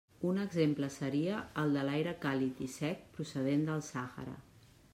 Un exemple seria el de l'aire càlid i sec, procedent del Sàhara.